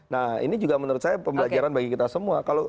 nah ini juga menurut saya pembelajaran bagi kita semua